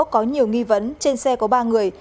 có nhiều nghi vấn trên xe có ba người